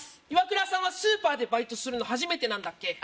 イワクラさんはスーパーでバイトするの初めてなんだっけ？